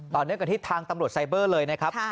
เนื่องกับที่ทางตำรวจไซเบอร์เลยนะครับ